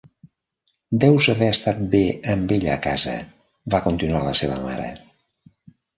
'Deus haver estat bé amb ella a casa', va continuar la seva mare.